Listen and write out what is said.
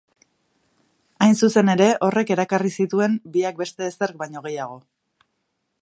Hain zuzen ere, horrek erakarri zituen biak beste ezerk baino gehiago.